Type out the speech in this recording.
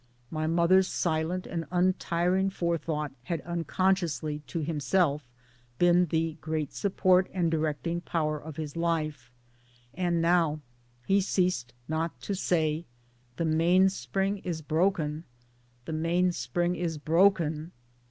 My mother's silent and untiring forethought had unconsciously to himself been the great support and directing power of his life ; and now he ceased not to say, " The mainspring is broken, the mainspring is broken."